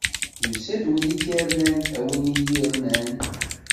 Yusa-d win k-irnan, a win i yi-irnan!